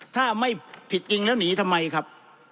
ถ้าไม่ผิดจริงแล้วหนีทำไมครับ